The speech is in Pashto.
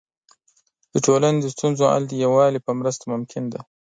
د ټولنې د ستونزو حل د یووالي په مرسته ممکن دی.